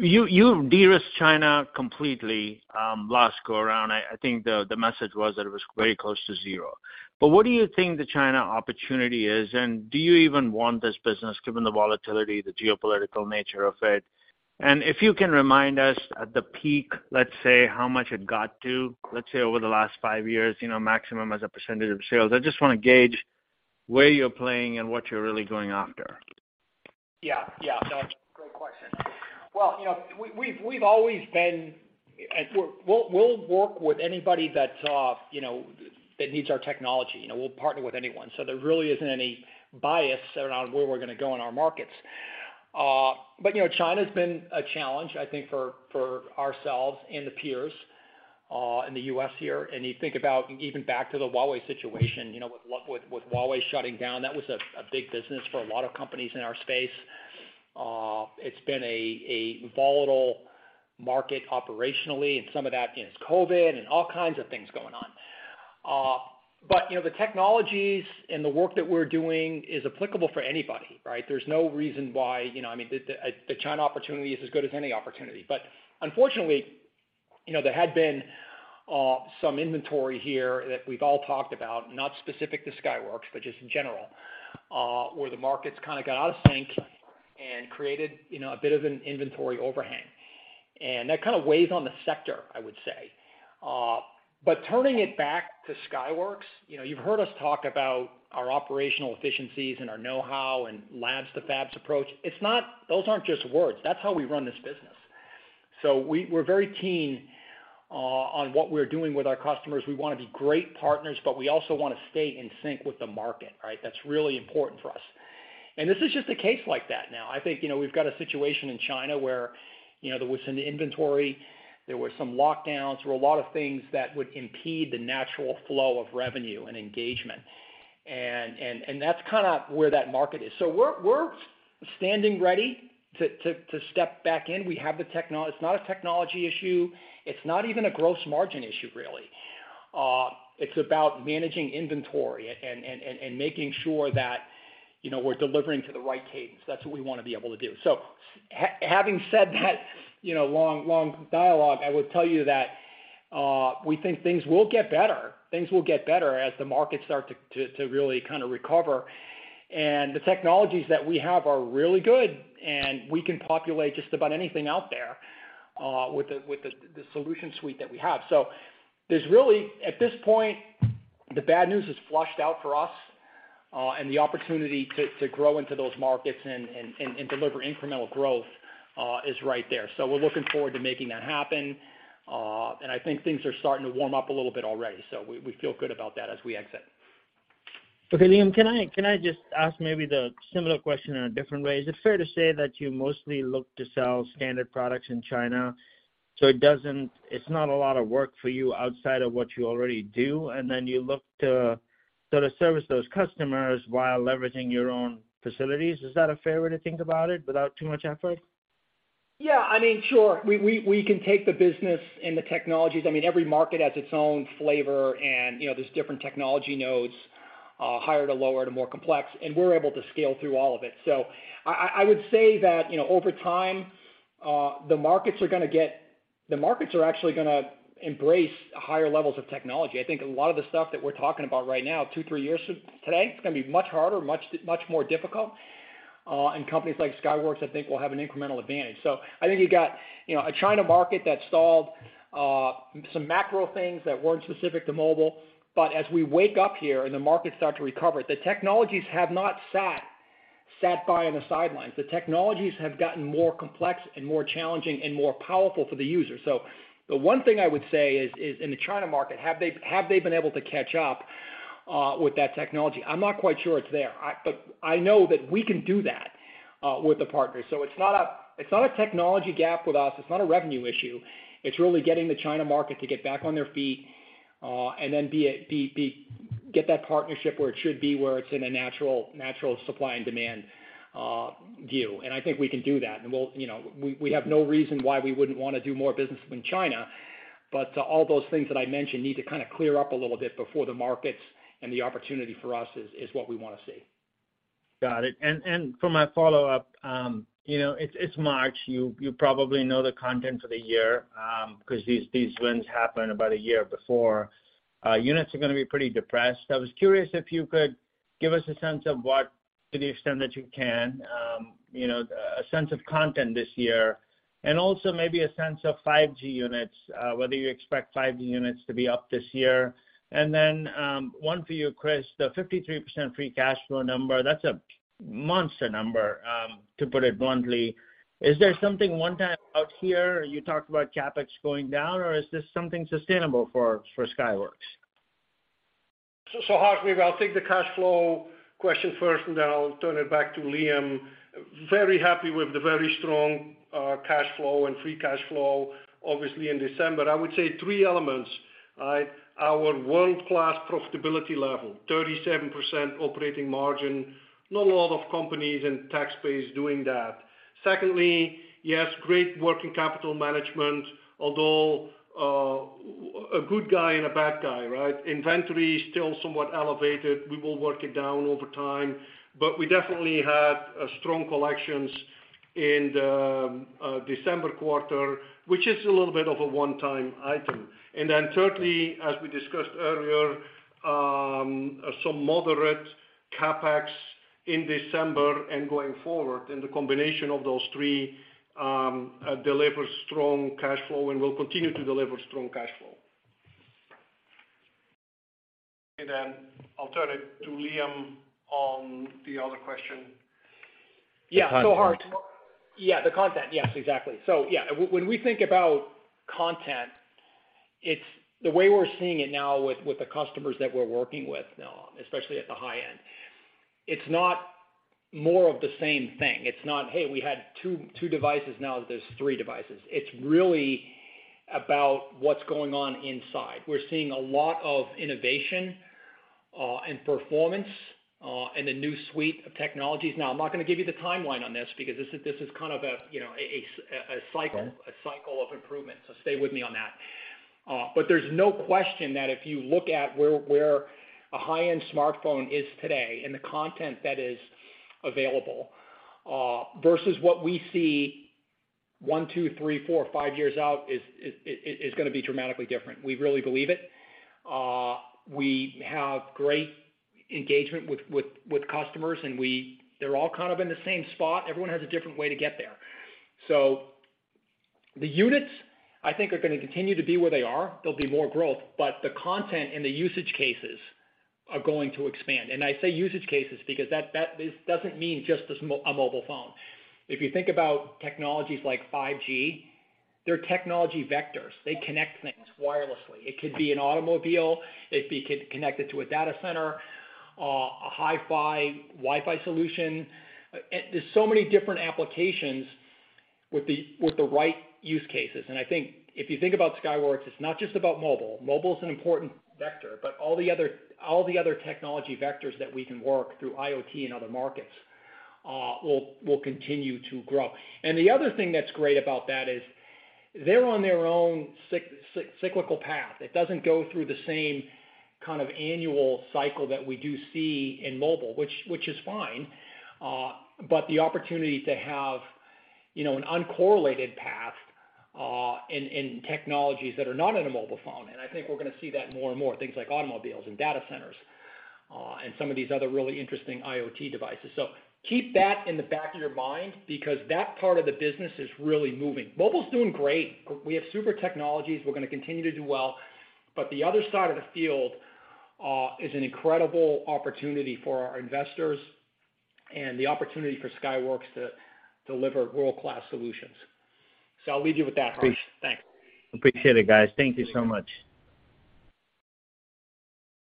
You de-risked China completely last go around. I think the message was that it was very close to zero. What do you think the China opportunity is, and do you even want this business given the volatility, the geopolitical nature of it? If you can remind us at the peak, let's say, how much it got to, let's say, over the last 5 years, you know, maximum as a % of sales. I just wanna gauge where you're playing and what you're really going after. Yeah. Yeah, no, great question. Well, you know, we've always been and we'll work with anybody that's, you know, that needs our technology. You know, we'll partner with anyone. There really isn't any bias around where we're gonna go in our markets. You know, China's been a challenge, I think for ourselves and the peers in the U.S. here. You think about even back to the Huawei situation, you know, with Huawei shutting down, that was a big business for a lot of companies in our space. It's been a volatile market operationally, some of that is COVID and all kinds of things going on. You know, the technologies and the work that we're doing is applicable for anybody, right? There's no reason why, you know... I mean, the China opportunity is as good as any opportunity. Unfortunately, you know, there had been some inventory here that we've all talked about, not specific to Skyworks, but just in general, where the markets kind of got out of sync and created, you know, a bit of an inventory overhang. That kind of weighs on the sector, I would say. Turning it back to Skyworks, you know, you've heard us talk about our operational efficiencies and our know-how and labs-to-fabs approach. Those aren't just words. That's how we run this business. We're very keen on what we're doing with our customers. We wanna be great partners, but we also wanna stay in sync with the market, right? That's really important for us. This is just a case like that now. I think, you know, we've got a situation in China where, you know, there was some inventory, there were some lockdowns, there were a lot of things that would impede the natural flow of revenue and engagement. That's kind of where that market is. We're standing ready to step back in. It's not a technology issue. It's not even a gross margin issue, really. It's about managing inventory and making sure that, you know, we're delivering to the right cadence. That's what we wanna be able to do. Having said that, you know, long dialogue, I would tell you that, we think things will get better. Things will get better as the markets start to really kind of recover. The technologies that we have are really good, and we can populate just about anything out there, with the solution suite that we have. There's really, at this point, the bad news is flushed out for us, and the opportunity to grow into those markets and deliver incremental growth, is right there. We're looking forward to making that happen. I think things are starting to warm up a little bit already, so we feel good about that as we exit. Okay. Liam, can I just ask maybe the similar question in a different way? Is it fair to say that you mostly look to sell standard products in China, so it's not a lot of work for you outside of what you already do, and then you look to sort of service those customers while leveraging your own facilities? Is that a fair way to think about it without too much effort? I mean, sure. We can take the business and the technologies. I mean, every market has its own flavor, and, you know, there's different technology nodes, higher to lower to more complex, and we're able to scale through all of it. I would say that, you know, over time, the markets are actually gonna embrace higher levels of technology. I think a lot of the stuff that we're talking about right now, 2, 3 years to today, it's gonna be much harder, much more difficult, and companies like Skyworks, I think, will have an incremental advantage. I think you've got, you know, a China market that stalled, some macro things that weren't specific to mobile. As we wake up here and the markets start to recover, the technologies have not sat by on the sidelines. The technologies have gotten more complex and more challenging and more powerful for the user. The one thing I would say is in the China market, have they been able to catch up with that technology? I'm not quite sure it's there. I know that we can do that with the partners. It's not a, it's not a technology gap with us. It's not a revenue issue. It's really getting the China market to get back on their feet and then get that partnership where it should be, where it's in a natural supply and demand view. I think we can do that. We'll, you know, we have no reason why we wouldn't wanna do more business in China. To all those things that I mentioned need to kind of clear up a little bit before the markets and the opportunity for us is what we wanna see. Got it. For my follow-up, you know, it's March. You probably know the content for the year, 'cause these wins happen about a year before. Units are gonna be pretty depressed. I was curious if you could give us a sense of what, to the extent that you can, you know, a sense of content this year, and also maybe a sense of 5G units, whether you expect 5G units to be up this year. One for you, Kris, the 53% free cash flow number, that's a monster number, to put it bluntly. Is there something one-time out here, you talked about CapEx going down, or is this something sustainable for Skyworks? Harsh, I'll take the cash flow question first, I'll turn it back to Liam. Very happy with the very strong cash flow and free cash flow, obviously, in December. I would say three elements, right. Our world-class profitability level, 37% operating margin. Not a lot of companies in tech space doing that. Secondly, yes, great working capital management, although, a good guy and a bad guy, right. Inventory is still somewhat elevated. We will work it down over time. We definitely had strong collections in the December quarter, which is a little bit of a one-time item. Thirdly, as we discussed earlier, some moderate CapEx in December and going forward. The combination of those three, deliver strong cash flow and will continue to deliver strong cash flow. I'll turn it to Liam on the other question. Yeah. Harsh. Yeah, the content. Yes, exactly. Yeah, when we think about content, it's the way we're seeing it now with the customers that we're working with now, especially at the high-end. It's not more of the same thing. It's not, "Hey, we had two devices, now there's three devices." It's really about what's going on inside. We're seeing a lot of innovation and performance and a new suite of technologies. Now, I'm not gonna give you the timeline on this because this is kind of a, you know, a cycle of improvement, stay with me on that. There's no question that if you look at where a high-end smartphone is today and the content that is available versus what we see 1, 2, 3, 4, 5 years out is gonna be dramatically different. We really believe it. We have great engagement with customers, and they're all kind of in the same spot. Everyone has a different way to get there. The units, I think, are gonna continue to be where they are. There'll be more growth, but the content and the usage cases are going to expand. I say usage cases because that this doesn't mean just a mobile phone. If you think about technologies like 5G, they're technology vectors. They connect things wirelessly. It could be an automobile, it could be connected to a data center, a hi-fi Wi-Fi solution. There's so many different applications with the right use cases. I think if you think about Skyworks, it's not just about mobile. Mobile is an important vector, but all the other technology vectors that we can work through IoT and other markets will continue to grow. The other thing that's great about that is they're on their own cyclical path. It doesn't go through the same kind of annual cycle that we do see in mobile, which is fine. But the opportunity to have, you know, an uncorrelated path in technologies that are not in a mobile phone, I think we're gonna see that more and more, things like automobiles and data centers, and some of these other really interesting IoT devices. Keep that in the back of your mind because that part of the business is really moving. Mobile's doing great. We have super technologies. We're gonna continue to do well. The other side of the field is an incredible opportunity for our investors and the opportunity for Skyworks to deliver world-class solutions. I'll leave you with that, Kris. Thanks. Appreciate it, guys. Thank you so much.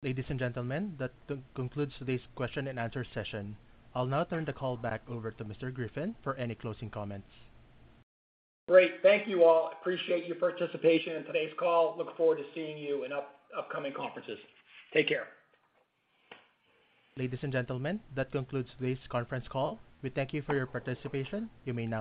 Ladies and gentlemen, that concludes today's question and answer session. I'll now turn the call back over to Mr. Griffin for any closing comments. Great. Thank you all. Appreciate your participation in today's call. Look forward to seeing you in upcoming conferences. Take care. Ladies and gentlemen, that concludes this conference call. We thank you for your participation. You may disconnect.